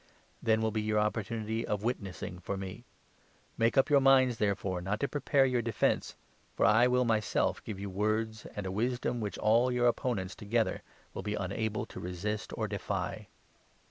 Then 13 will be your opportunity of witnessing for me. Make up your 14 minds, therefore, not to prepare your defence ; for I will myself 15 give you words, and a wisdom which all your opponents together will be unable to resist or defy.